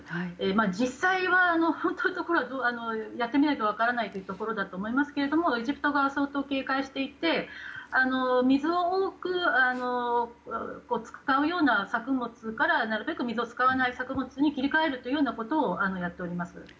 実際は、本当のところはやってみないと分からないところだと思いますがエジプトが相当警戒していて水を多く使うような作物からなるべく水を使わない作物に切り替えることをやっております。